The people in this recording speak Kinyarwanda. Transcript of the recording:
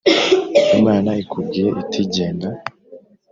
imana ikubwiye iti genda